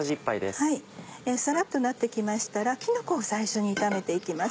サラっとなって来ましたらきのこを最初に炒めて行きます。